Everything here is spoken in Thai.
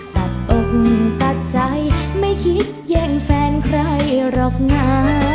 ตัดอกตัดใจไม่คิดแย่งแฟนใครหรอกนะ